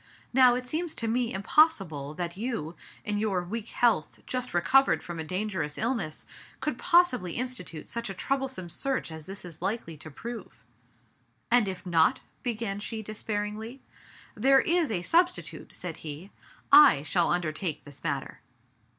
Now, it seems to me impossible that you, in your weak health, just recovered from a dangerous illness, could possibly institute such a troublesome search as this is likely to prove." "And if not?" began she despairingly. "There is a substitute," said he. "/shall un dertake this matter."